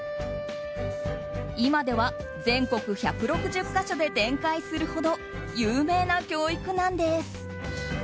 今では全国１６０か所で展開するほど有名な教育なんです。